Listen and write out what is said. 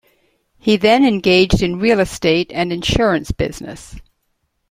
He then engaged in real estate and insurance business.